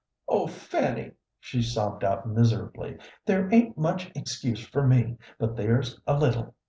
"Oh, Fanny," she sobbed out miserably, "there ain't much excuse for me, but there's a little.